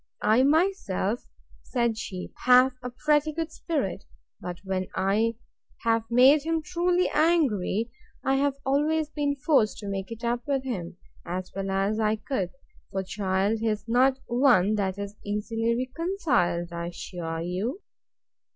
I myself, said she, have a pretty good spirit; but, when I have made him truly angry, I have always been forced to make it up with him, as well as I could: for, child, he is not one that is easily reconciled, I assure you.